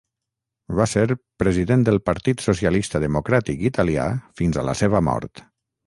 Va ser president del Partit Socialista Democràtic Italià fins a la seva mort.